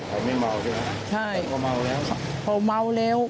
เขาไม่เมาใช่ไหมใช่เขาเมาแล้วค่ะพอเมาแล้ว